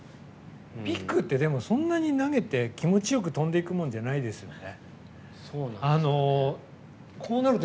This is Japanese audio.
ピックってそんなに投げて気持ちよく飛んでいくもんじゃないですもんね。